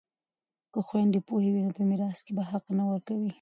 که خویندې پوهې وي نو په میراث کې به حق نه ورکوي.